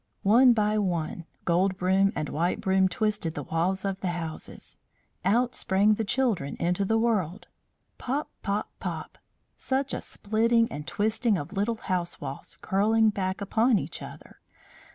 One by one Gold Broom and White Broom twisted the walls of the houses. Out sprang the children into the world. Pop! pop! pop! Such a splitting and twisting of little house walls curling back upon each other!